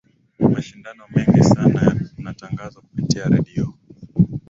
mashindano mengi sana yanatangazwa kupitia redio